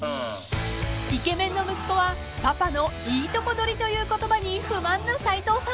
［イケメンの息子はパパのいいとこ取りという言葉に不満な斉藤さん］